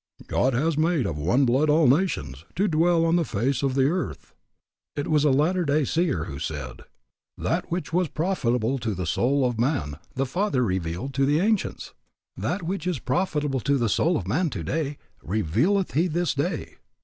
"God has made of one blood all nations, to dwell on the face of the earth." It was a latter day seer who said, "That which was profitable to the soul of man the Father revealed to the ancients; that which is profitable to the soul of man today revealeth He this day."